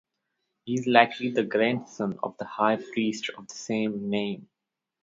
He is likely the grandson of the high priest of the same name.